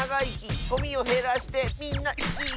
「ゴミをへらしてみんなイキイキ！」